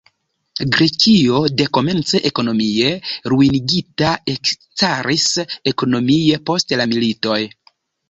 Grekio, dekomence ekonomie ruinigita, ekstaris ekonomie post la militoj.